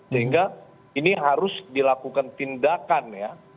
sehingga ini harus dilakukan tindakan ya